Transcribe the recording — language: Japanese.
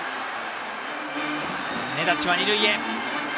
根立は二塁へ。